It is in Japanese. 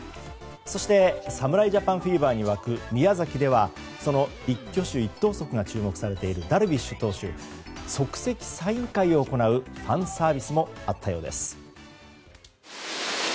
そして侍ジャパンフィーバーに沸く宮崎ではその一挙手一投足が注目されているダルビッシュ投手即席サイン会を行うファンサービスもあったようです。